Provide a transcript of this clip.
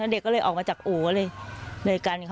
เด็กก็เลยออกมาจากอู่ก็เลยกัน